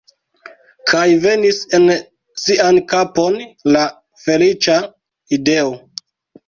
Kaj venis en sian kapon la feliĉa ideo.